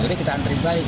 jadi kita antri balik